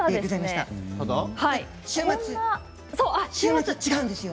週末、違うんですよ。